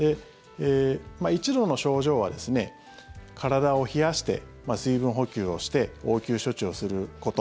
１度の症状は、体を冷やして水分補給をして応急処置をすること。